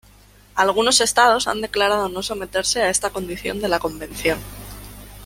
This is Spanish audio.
Algunos Estados han declarado no someterse a esta condición de la Convención.